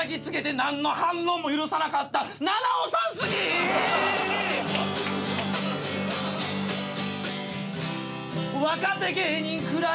「何の反論も許さなかった菜々緒さん好き」「若手芸人くらい」